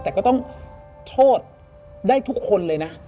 แต่ก็ต้องโทษได้ทุกคนเลยนะ